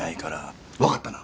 わかったな？